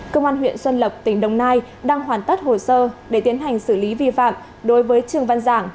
công an huyện xuân lộc tỉnh đồng nai đang hoàn tất hồ sơ để tiến hành xử lý vi phạm đối với trường văn giảng